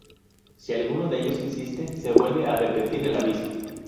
Si alguno de ellos insiste, se vuelve a repetir el aviso.